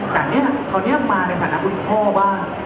แต่นี่คนนี้มาด้วยฝากคุณพ่อว่า